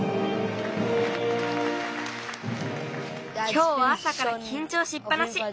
きょうはあさからきんちょうしっぱなし。